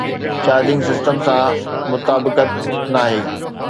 charging system سان مطابقت ناهي